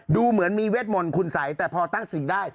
ดูเหมือนมีเวทมนต์คุณสัยแต่พอตั้งสิ่งได้